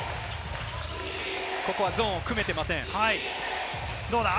ここはゾーンを組めていません。